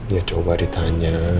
ya coba ditanya